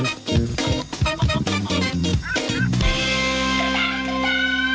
สวัสดีค่ะ